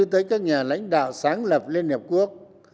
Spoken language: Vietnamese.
tới các nhà lãnh đạo sáng lập liên hiệp quốc